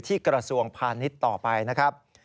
กระทรวงพาณิชย์ต่อไปนะครับ